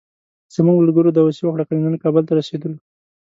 زموږ ملګرو داوسي وکړه، کني نن کابل ته رسېدلو.